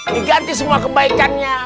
diganti semua kebaikannya